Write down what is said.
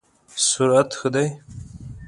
سرعت ښه دی؟